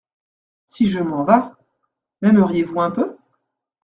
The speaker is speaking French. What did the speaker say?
Si je m’en vas… m’aimeriez-vous un peu ?